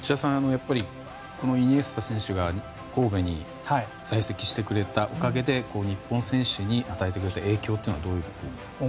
やっぱり、このイニエスタ選手が神戸に在籍してくれたおかげで日本選手に与えてくれた影響はどういう部分でしょうか。